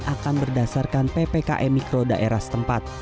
akan berdasarkan ppkm mikro daerah setempat